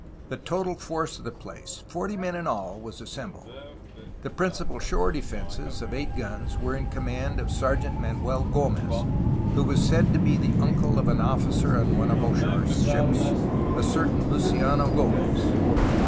The total force of the place, forty men in all, was assembled. The principal shore defences, of eight guns, were in command of Sergeant Manuel G6mez, who was said to be the uncle of an officer on one of Bouchard's ships, a certain Luciano G6mez.